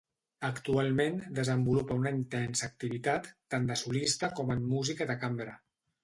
Actualment desenvolupa una intensa activitat tant de solista com en música de cambra.